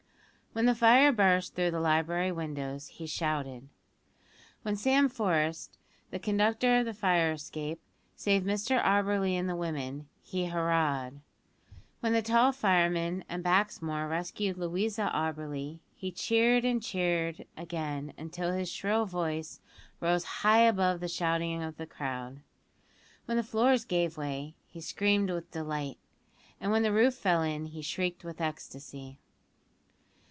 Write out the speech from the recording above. When the fire burst through the library windows he shouted; when Sam Forest, the conductor of the fire escape, saved Mr Auberly and the women, he hurrahed; when the tall fireman and Baxmore rescued Louisa Auberly he cheered and cheered again until his shrill voice rose high above the shouting of the crowd. When the floors gave way he screamed with delight, and when the roof fell in he shrieked with ecstasy.